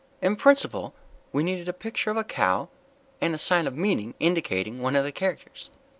In principle, we needed a picture of a cow, and a sign of meaning indicating one of the characters.